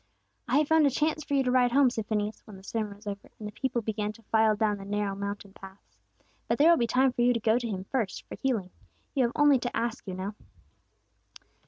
"I have found a chance for you to ride home," said Phineas, when the sermon was over, and the people began to file down the narrow mountain paths. "But there will be time for you to go to Him first, for healing. You have only to ask, you know."